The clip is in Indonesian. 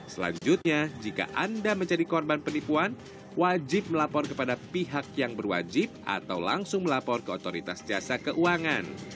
selanjutnya jika anda menjadi korban penipuan wajib melapor kepada pihak yang berwajib atau langsung melapor ke otoritas jasa keuangan